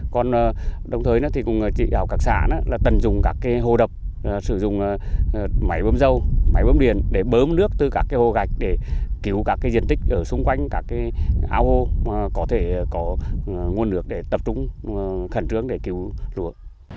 còn đồng thời thì cũng chỉ đào các xã tần dùng các cái hồ đập sử dụng máy bơm dâu máy bơm điền để bơm nước từ các cái hồ gạch để cứu các cái diện tích ở xung quanh các cái áo hô có thể có nguồn lực để tập trung khẩn trướng để cứu lúa